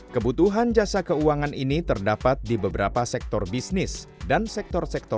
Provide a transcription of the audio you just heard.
kebutuhan jasa keuangan ini terdapat di beberapa sektor bisnis dan sektor sektor